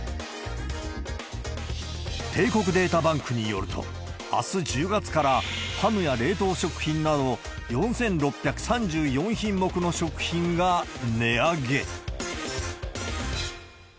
帝国データバンクによると、あす１０月から、ハムや冷凍食品など４６３４品目の食品が値上げ。